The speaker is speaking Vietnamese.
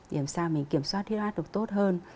để kiểm soát huyết áp được tốt hơn